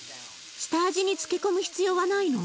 下味につけ込む必要はないの？